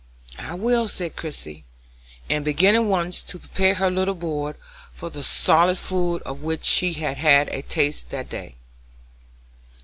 "I will," said Christie, and began at once to prepare her little board for the solid food of which she had had a taste that day.